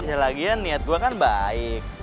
ya lagian niat gue kan baik